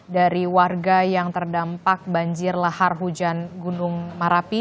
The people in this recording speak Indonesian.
dari warga yang terdampak banjir lahar hujan gunung merapi